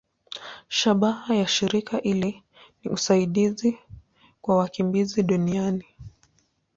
Shabaha ya shirika hili ni usaidizi kwa wakimbizi duniani.